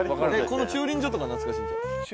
この駐輪場とかなつかしいんちゃう？